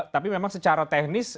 tapi memang secara teknis